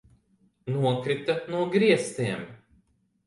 Nokrita no griestiem!